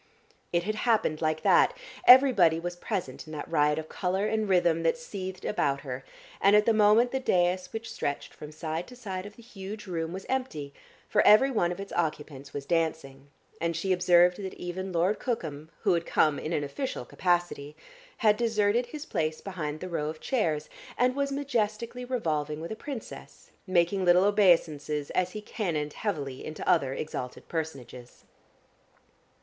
It had happened like that; everybody was present in that riot of colour and rhythm that seethed about her, and at the moment the dais which stretched from side to side of the huge room was empty, for every one of its occupants was dancing, and she observed that even Lord Cookham (who had come in an official capacity) had deserted his place behind the row of chairs, and was majestically revolving with a princess, making little obeisances as he cannoned heavily into other exalted personages.